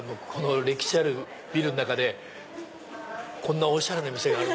歴史あるビルの中でこんなおしゃれな店がある。